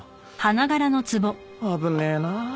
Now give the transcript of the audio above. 危ねえなぁ。